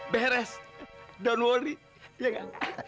beres don't worry ya gak